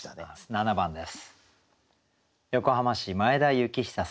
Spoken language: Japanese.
７番です。